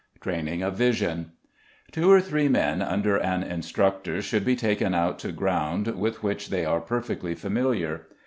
Training of Vision. Two or three men, under an instructor, should be taken out to ground with which they are perfectly familiar.